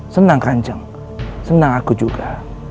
senang kanjeng senang aku juga